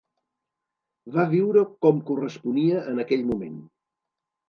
Va viure com corresponia en aquell moment.